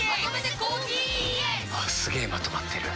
すげえまとまってる。